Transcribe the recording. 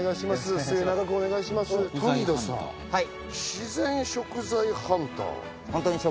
「自然食材ハンター」。